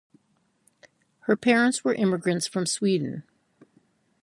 Her parents were immigrants from Sweden.